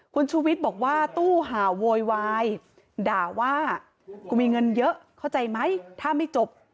คุณชูวิทย์บอกว่าตู้ห่าวโวยวายด่าว่ากูมีเงินเยอะเข้าใจไหมถ้าไม่จบ